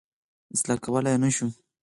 اصلاح کولای یې نه شو.